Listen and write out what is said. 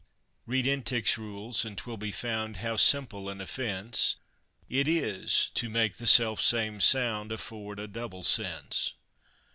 Read Entick's rules, and 'twill be found, how simple an offence It is to make the self same sound afford a double sense.